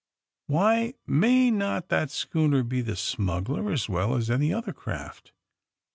Why may not that schooner be the smuggler as well as any other craft